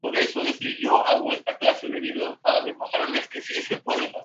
Vive en Cambridge, Massachusetts.